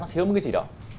nó thiếu một cái gì đó